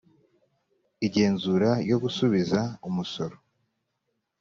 igenzura ryo gusubiza umusoro